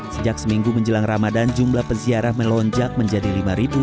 sejak seminggu menjelang ramadan jumlah peziarah melonjak menjadi lima